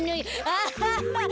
アハハ。